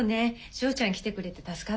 翔ちゃん来てくれて助かった。